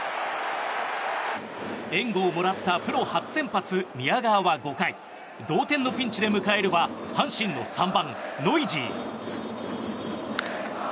援護をもらったプロ初先発宮川は５回同点のピンチで迎えるは阪神の３番、ノイジー。